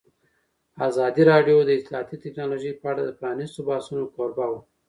ازادي راډیو د اطلاعاتی تکنالوژي په اړه د پرانیستو بحثونو کوربه وه.